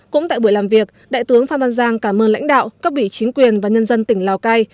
cũng tại buổi làm việc đại tướng phan văn giang cảm ơn lãnh đạo các vị chính quyền và nhân dân tỉnh lào cai